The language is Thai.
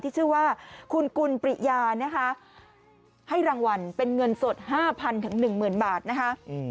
ที่ชื่อว่าคุณกุลปริยานะคะให้รางวัลเป็นเงินสด๕๐๐๑๐๐บาทนะคะ